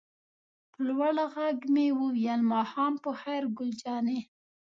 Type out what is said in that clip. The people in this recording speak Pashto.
په لوړ غږ مې وویل: ماښام په خیر ګل جانې.